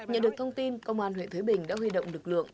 nhận được thông tin công an huyện thới bình đã huy động lực lượng